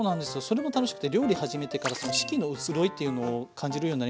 それも楽しくて料理始めてから四季のうつろいっていうのを感じるようになりましたね。